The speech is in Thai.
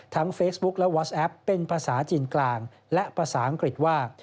เฟซบุ๊คและวอสแอปเป็นภาษาจีนกลางและภาษาอังกฤษว่า